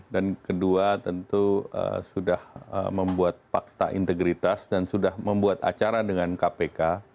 dan kedua tentu sudah membuat fakta integritas dan sudah membuat acara dengan kpk